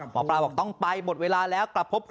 หมอปลาบอกต้องไปหมดเวลาแล้ว